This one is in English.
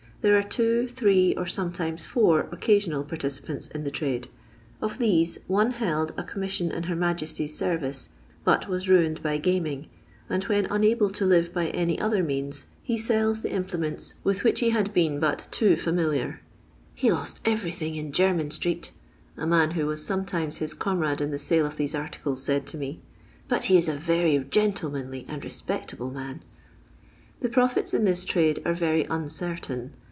There are two, three, or sometimes four occasional par ticipants in the trade. Of these one held a com mission in Her Majesty's service, but was ruined by gaming, and when unable to live by any other means, be tells the implements with which he had been but too £uuiliar. " He lost everything in Jermyn strect," a man who was sometimes his comrade in the sale of these articles &aid to me, but he is a very gentlemanly and respectable man." The profits in this trade are very uncertain.